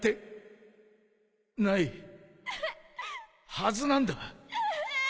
はずなんだ。